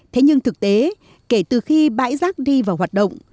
thế nhưng thực tế kể từ khi bãi rác đi vào hoạt động